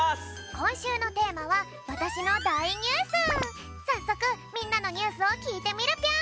こんしゅうのテーマはさっそくみんなのニュースをきいてみるぴょん！